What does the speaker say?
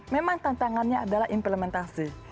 memang tantangannya adalah implementasi